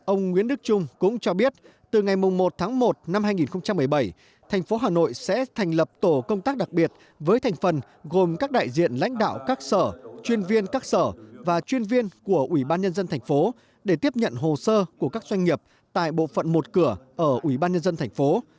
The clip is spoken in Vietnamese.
ông nguyễn đức trung cũng cho biết từ ngày một tháng một năm hai nghìn một mươi bảy thành phố hà nội sẽ thành lập tổ công tác đặc biệt với thành phần gồm các đại diện lãnh đạo các sở chuyên viên các sở và chuyên viên của ủy ban nhân dân thành phố để tiếp nhận hồ sơ của các doanh nghiệp tại bộ phận một cửa ở ủy ban nhân dân thành phố